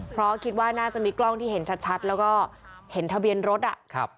เพราะคิดว่าน่าจะมีกล้องที่เห็นชัดแล้วก็เห็นทะเบียนรถอ่ะครับ